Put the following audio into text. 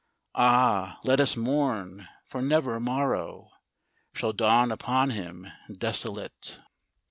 (Ah, let us mourn! for never morrow Shall dawn upon him desolate